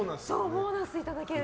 ボーナスいただける。